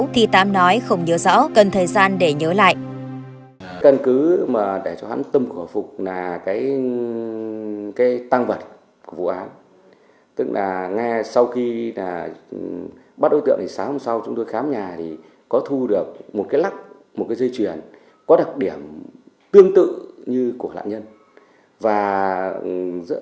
thì tám nói không nhớ rõ cần thời gian để nhớ lại